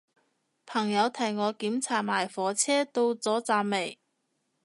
朋友提我檢查埋火車到咗站未